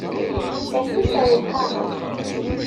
Sers-itt ɣer lqaɛa.